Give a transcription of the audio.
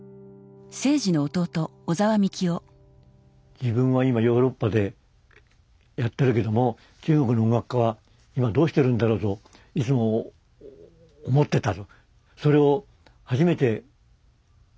自分は今ヨーロッパでやってるけども中国の音楽家は今どうしてるんだろうといつも思ってたと。